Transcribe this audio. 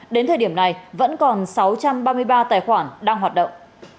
đến thời điểm này vẫn còn sáu trăm ba mươi ba tài khoản đang hoạt động